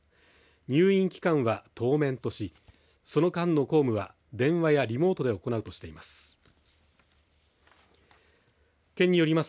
入院期間は当面としその間の公務は電話やリモートで行うとしています。